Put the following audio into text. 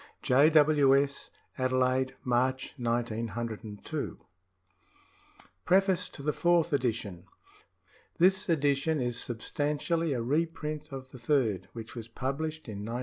J. W. S. Adelaide, March 1902 PREFACE TO THE FOURTH EDITION This edition is substantially a reprint of the third, which was published in 1910.